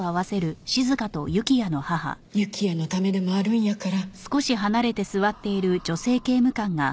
幸矢のためでもあるんやから。